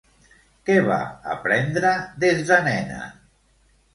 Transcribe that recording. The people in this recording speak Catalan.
Què va aprendre des de nena?